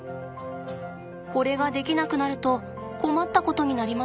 これができなくなると困ったことになりますよね。